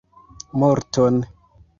Morton!